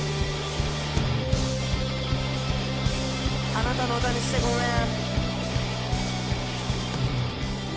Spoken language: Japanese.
あなたの歌にしてごめん。